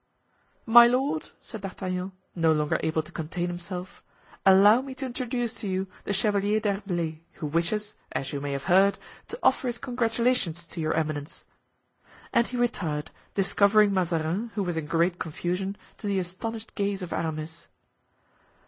"My lord," said D'Artagnan, no longer able to contain himself, "allow me to introduce to you the Chevalier d'Herblay, who wishes—as you may have heard—to offer his congratulations to your eminence." And he retired, discovering Mazarin, who was in great confusion, to the astonished gaze of Aramis.